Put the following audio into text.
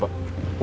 baik pak bos